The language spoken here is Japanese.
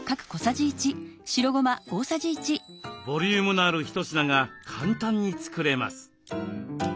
ボリュームのある一品が簡単に作れます。